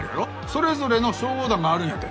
それぞれの消防団があるんやて。